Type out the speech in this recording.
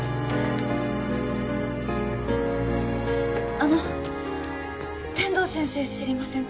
あの天堂先生知りませんか？